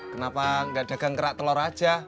kepada orang betawi kita cuma bikin kerak telur saja